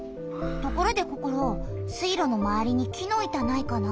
ところでココロ水路のまわりに木の板ないかな？